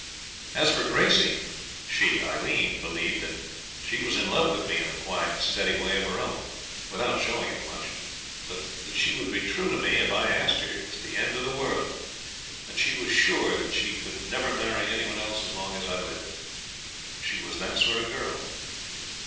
As for Gracey, she (Aileen) believed that she was in love with me in a quiet, steady way of her own, without showing it much, but that she would be true to me, if I asked her, to the end of the world, and she was sure that she could never marry any one else as long as I lived. She was that sort of girl.